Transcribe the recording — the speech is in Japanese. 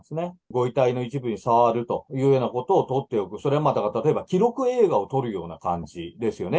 ご遺体の一部に触るというようなことをとっておく、それは例えば記録映画を撮るような感じですよね。